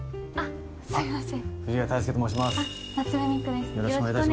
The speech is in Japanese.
はいすいません